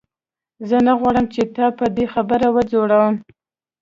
زه نه غواړم چې تا په دې خبره وځوروم.